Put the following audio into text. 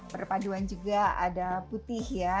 perpaduan juga ada putih ya